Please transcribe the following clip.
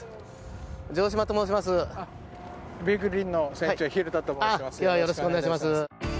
城島と申します。